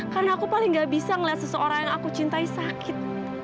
karena aku paling nggak bisa ngelihat seseorang yang aku cintai sakit